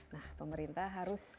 nah pemerintah harus